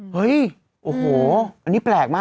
เฮ้ยโอ้โหอันนี้แปลกมาก